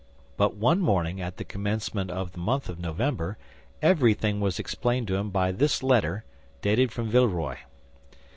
But one morning at the commencement of the month of November everything was explained to him by this letter, dated from Villeroy: M.